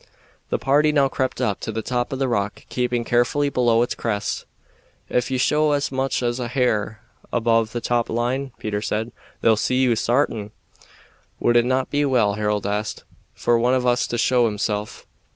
The party now crept up to the top of the rock, keeping carefully below its crest. "Ef you show as much as a hair above the top line," Peter said, "they'll see you, sartin." "Would it not be well," Harold asked, "for one of us to show himself?